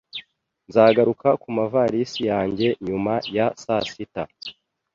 Nzagaruka kumavalisi yanjye nyuma ya saa sita.